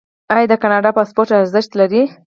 آیا د کاناډا پاسپورت ارزښت نلري؟